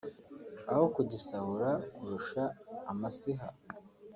aho kugisahura kurusha amasiha)